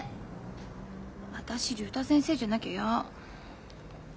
私竜太先生じゃなきゃ嫌。